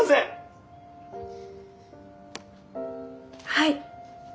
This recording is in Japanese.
はい。